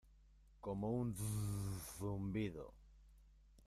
como un zumbido.